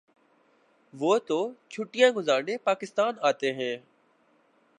وہ تو چھٹیاں گزارنے پاکستان آتے ہیں۔